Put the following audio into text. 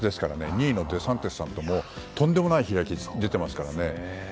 ２位のデサンティスさんととんでもない開きですから。